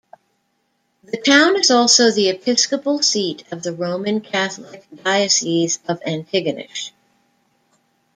The town is also the episcopal seat of the Roman Catholic Diocese of Antigonish.